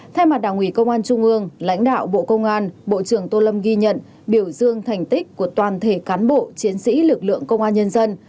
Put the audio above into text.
thay mặt đảng ủy công an trung ương lãnh đạo bộ công an bộ trưởng tô lâm ghi nhận biểu dương thành tích của toàn thể cán bộ chiến sĩ lực lượng công an nhân dân